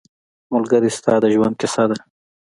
ملګری ستا د ژوند کیسه ده